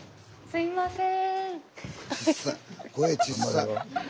すいません。